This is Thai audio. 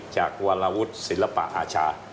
จากวราวุฒิศิลปะอาชา